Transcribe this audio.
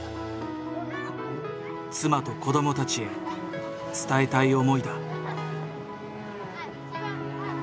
妻と子どもたちへ伝えたい思いだ。